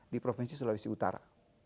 di provinsi sulawesi utara